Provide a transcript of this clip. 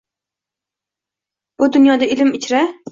Bu dunyoda ilm ichra